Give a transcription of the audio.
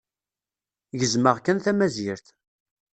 Gezzmeɣ kan tamazirt.